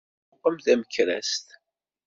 Iwqem tamekrast.